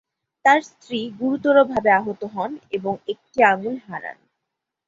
তার স্ত্রী গুরুতর ভাবে আহত হন এবং একটি আঙুল হারান।